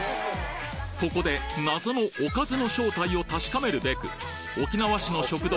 ここで謎の「おかず」の正体を確かめるべく沖縄市の食堂